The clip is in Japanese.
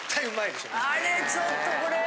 あれちょっとこれ。